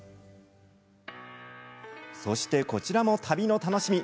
そして、こちらも旅の楽しみ。